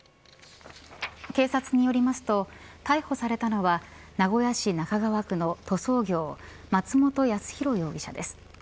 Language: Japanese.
警察によりますと逮捕されたのは名古屋市中川区の塗装業松本泰広容疑者です。